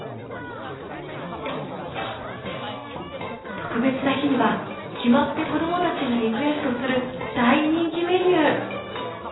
特別な日には決まって子供たちがリクエストする大人気メニュー。